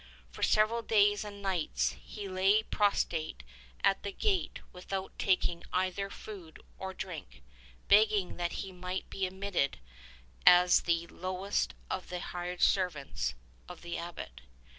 For several days and nights he lay prostrate at the gate without taking either food or drink, begging that he might be admitted as the lowest of the hired servants of the Abbot.